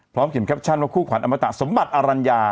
เขียนแคปชั่นว่าคู่ขวัญอมตะสมบัติอรัญญา